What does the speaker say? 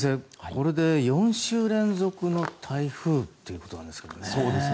これで４週連続の台風ということなんですけどね。